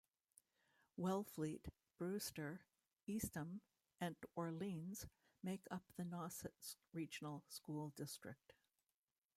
Wellfleet, Brewster, Eastham and Orleans make up the Nauset Regional School District.